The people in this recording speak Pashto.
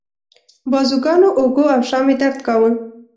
بازوګانو، اوږو او شا مې درد کاوه.